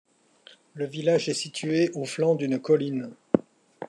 Le village est situé au flanc d'une colline.